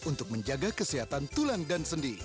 untuk menjaga kesehatan tulang dan sendi